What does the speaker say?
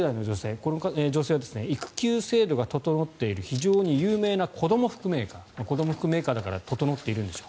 この女性は育休制度が整っている非常に有名な子ども服メーカー子ども服メーカーだから整っているんでしょう。